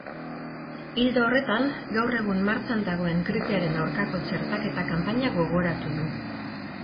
Ildo horretan, gaur egun martxan dagoen gripearen aurkako txertaketa kanpaina gogoratu du.